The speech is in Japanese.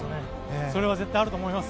それは絶対あると思います。